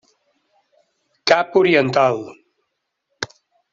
Cap Oriental.